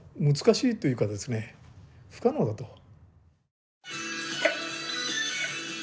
難しいというかですね不可能だと。